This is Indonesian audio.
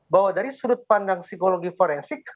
bahwa dari sudut pandang psikologi forensik